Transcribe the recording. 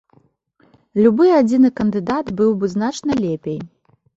Любы адзіны кандыдат быў бы значна лепей.